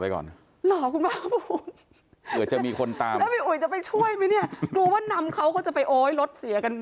คุณเขียนมาสอนมั้ยลองฝ่าไปก่อน